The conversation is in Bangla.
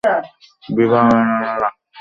বিভা, আমার কাছ হইতে তোরা শীঘ্র পালাইয়া যা।